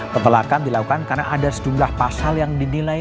petolakan dilakukan karena ada sejumlah pasal yang dinilai